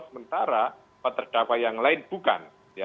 sementara empat terdakwa yang lain bukan